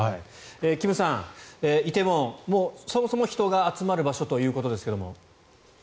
金さん、梨泰院はそもそも人が集まる場所ということですが。